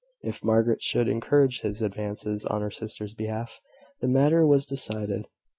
If Margaret should encourage his advances on her sister's behalf; the matter was decided.